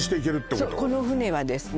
そうこの船はですね